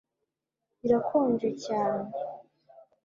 Birakonje cyane